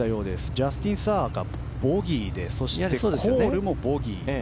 ジャスティン・サーがボギーでコールもボギー。